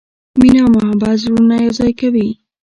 مینه او محبت زړونه یو ځای کوي.